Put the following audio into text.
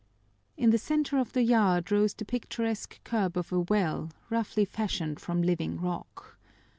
In the center of the yard rose the picturesque curb of a well, roughly fashioned from living rock.